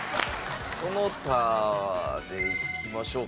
その他でいきましょうか。